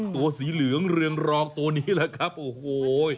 ตัวสีเหลืองเรืองรองตัวนี้แหละครับโอ้โห